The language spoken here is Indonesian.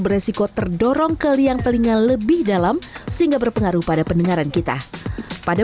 beresiko terdorong ke liang telinga lebih dalam sehingga berpengaruh pada pendengaran kita pada